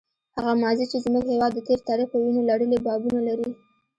هغه ماضي چې زموږ هېواد د تېر تاریخ په وینو لړلي بابونه لري.